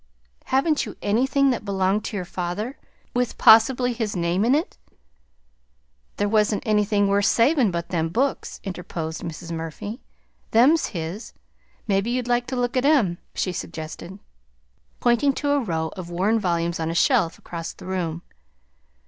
"Haven't you anything that belonged to your father, with possibly his name in it?" "There wasn't anythin' worth savin' but them books," interposed Mrs. Murphy. "Them's his. Maybe you'd like to look at 'em," she suggested, pointing to a row of worn volumes on a shelf across the room.